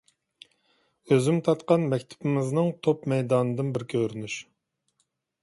ئۆزۈم تارتقان مەكتىپىمىزنىڭ توپ مەيدانىدىن بىر كۆرۈنۈش.